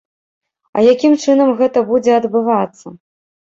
А якім чынам гэта будзе адбывацца?